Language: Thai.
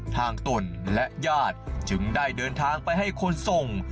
ตนและญาติจึงได้เดินทางไปให้คนส่ง